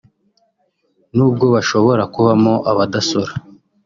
n’ubwo hashobora kubamo abadasora